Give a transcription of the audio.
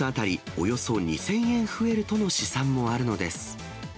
およそ２０００円増えるとの試算もあるのです。